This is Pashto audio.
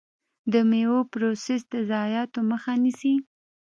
د میوو پروسس د ضایعاتو مخه نیسي.